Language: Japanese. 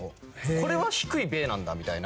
これは低い「べー」なんだみたいな。